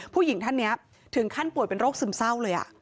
ผู้หญิงท่านนี้ถึงขั้นป่วยเป็นโรคซึมเศร้าเลย